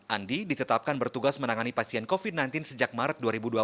andi ditetapkan bertugas menangani pasien covid sembilan belas sejak maret dua ribu dua puluh